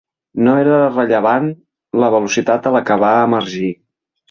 No era rellevant la velocitat a la que va emergir.